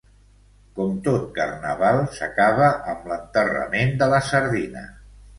Com tot Carnaval, s'acaba amb l'enterrament de la sardina.